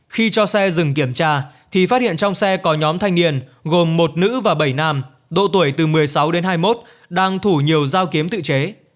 khi cho xe dừng kiểm tra thì phát hiện trong xe có nhóm thanh niên gồm một nữ và bảy nam độ tuổi từ một mươi sáu đến hai mươi một đang thủ nhiều dao kiếm tự chế